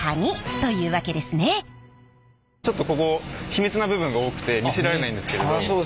ちょっとここ秘密な部分が多くて見せられないんですけど。